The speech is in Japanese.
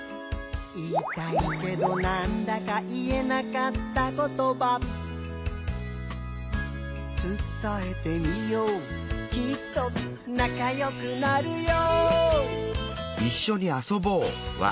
「言いたいけどなんだか言えなかったことば」「つたえてみようきっとなかよくなるよ」